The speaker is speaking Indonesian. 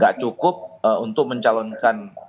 gak cukup untuk mencalonkan